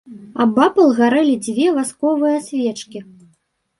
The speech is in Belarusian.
Абапал гарэлі дзве васковыя свечкі.